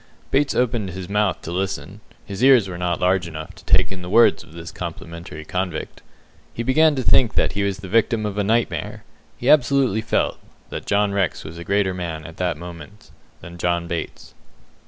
Bates opened his mouth to listen. His ears were not large enough to take in the words of this complimentary convict. He began to think that he was the victim of a nightmare. He absolutely felt that John Rex was a greater man at that moment than John Bates.